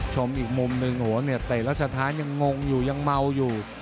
ชมอีกมุมหนึ่งแต่สถานยังงงอยู่ยังเมาอยู่